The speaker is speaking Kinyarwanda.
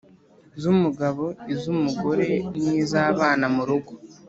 z’umugabo, iz’umugore n’iz’abana murugo.